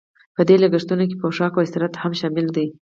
په دې لګښتونو کې پوښاک او استراحت هم شامل دي